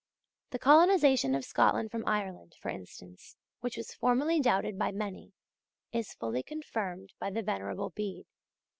The colonisation of Scotland from Ireland, for instance, which was formerly doubted by many, is fully confirmed by the Venerable Bede.